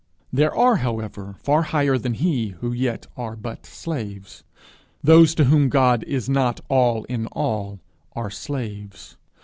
There are, however, far higher than he, who yet are but slaves. Those to whom God is not all in all, are slaves.